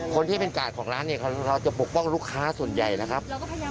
คนที่เป็นกาดของร้านเนี่ยเขาจะปกป้องลูกค้าส่วนใหญ่นะครับ